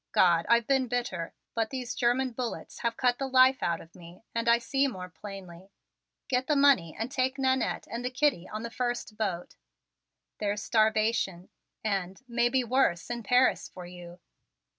God, I've been bitter! But these German bullets have cut the life out of me and I see more plainly. Get the money and take Nannette and the kiddie on the first boat. There's starvation and maybe worse in Paris for you.